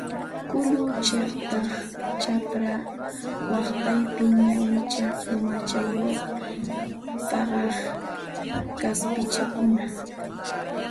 Kullu chiqtasqa, chapra waqtaypi ñawchi umachayuq pawaq kaspichakuna